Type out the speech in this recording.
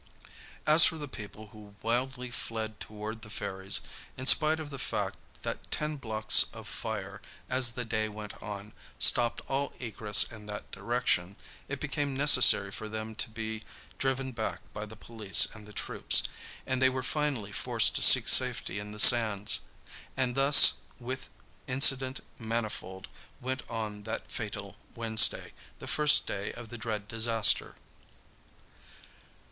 As for the people who wildly fled toward the ferries, in spite of the fact that ten blocks of fire, as the day went on, stopped all egress in that direction, it became necessary for them to be driven back by the police and the troops, and they were finally forced to seek safety in the sands. And thus, with incident manifold, went on that fatal Wednesday, the first day of the dread disaster.